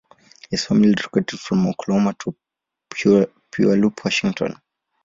His family relocated from Oklahoma to Puyallup, Washington.